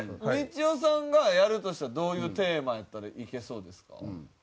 みちおさんがやるとしたらどういうテーマやったらいけそうですか？